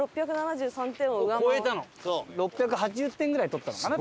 ６８０点ぐらい取ったのかな？